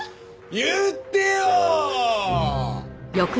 言ってよ！